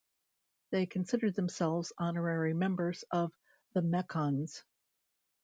They consider themselves honorary members of The Mekons.